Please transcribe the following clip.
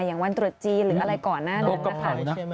อย่างวันตรุษจีนหรืออะไรก่อนหน้านั้นนะคะ